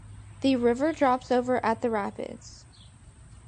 The river drops over at the rapids.